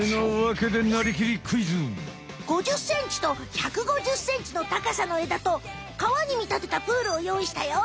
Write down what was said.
５０ｃｍと１５０ｃｍの高さの枝と川にみたてたプールをよういしたよ。